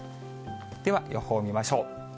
では、予報を見ましょう。